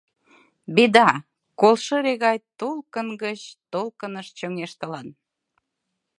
«Беда» колшыре гай толкын гыч толкыныш чоҥештылын.